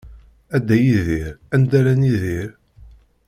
A Dda Yidir anda ara nidir?